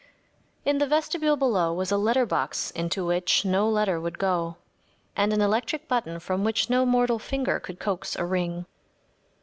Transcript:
In the vestibule below was a letter box into which no letter would go, and an electric button from which no mortal finger could coax a ring.